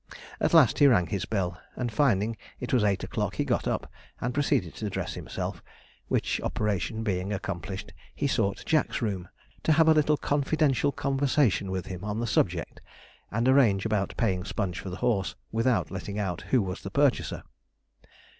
At last he rang his bell, and finding it was eight o'clock he got up, and proceeded to dress himself; which operation being accomplished, he sought Jack's room, to have a little confidential conversation with him on the subject, and arrange about paying Sponge for the horse, without letting out who was the purchaser.